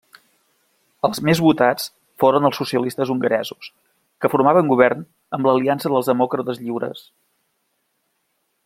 Els més votats foren els socialistes hongaresos, que formaren govern amb l'Aliança dels Demòcrates Lliures.